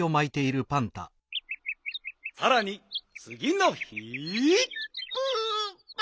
さらにつぎの日。